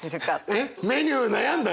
えっメニュー悩んだの？